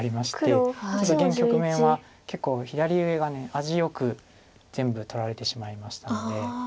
現局面は結構左上が味よく全部取られてしまいましたので。